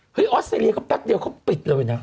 เฮ้ยออสเตรียก็ปั๊กเดียวเขาปิดเลยนะ